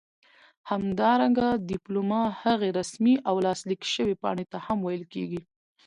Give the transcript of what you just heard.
همدارنګه ډيپلوما هغې رسمي او لاسليک شوي پاڼې ته هم ويل کيږي